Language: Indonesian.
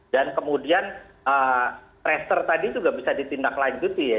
dan kemudian tracer tadi juga bisa ditindaklanjuti ya